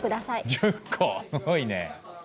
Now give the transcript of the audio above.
すごいね。